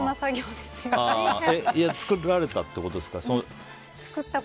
作られたってことですか？